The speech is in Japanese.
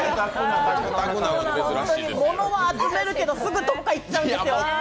物は集めるけど、すぐどっか行っちゃうんですよ。